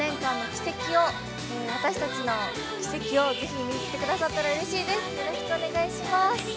私たちの奇跡を見に来てくださったらうれしいです。